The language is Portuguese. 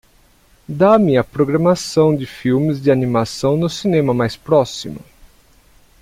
Dá-me a programação de filmes de animação no cinema mais próximo